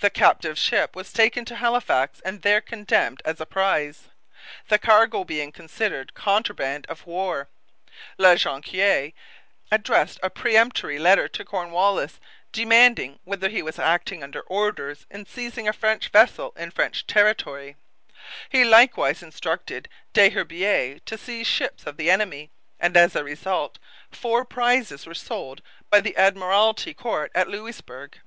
The captive ship was taken to Halifax and there condemned as a prize, the cargo being considered contraband of war. La Jonquiere addressed a peremptory letter to Cornwallis, demanding whether he was acting under orders in seizing a French vessel in French territory. He likewise instructed Des Herbiers to seize ships of the enemy; and as a result four prizes were sold by the Admiralty Court at Louisbourg.